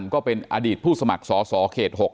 ก็เป็นอดีตผู้สมัครสอสอเขต๖